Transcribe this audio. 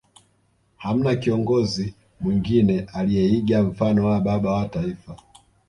Hamna kiongozi mwengine aliyeiga mfano wa Baba wa Taifa